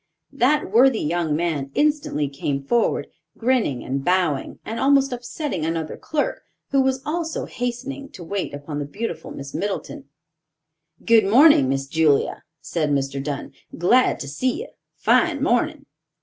That worthy young man instantly came forward, grinning and bowing, and almost upsetting another clerk, who was also hastening to wait upon the beautiful Miss Middleton. "Good morning, Miss Julia!" said Mr. Dunn; "glad to see you. Fine morning."